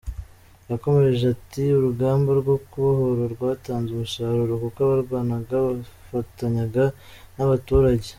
Yakomeje ati “Urugamba rwo kwibohora rwatanze umusaruro kuko abarwanaga bafatanyaga n’abaturage.